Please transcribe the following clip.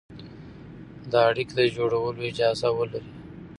د اړيکې د جوړولو اجازه ولري،